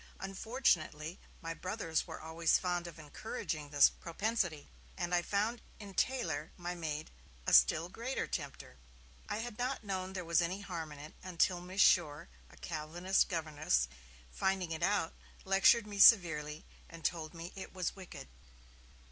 Unfortunately, my brothers were always fond of encouraging this propensity, and I found in Taylor, my maid, a still greater tempter. I had not known there was any harm in it, until Miss Shore [a Calvinist governess], finding it out, lectured me severely, and told me it was wicked.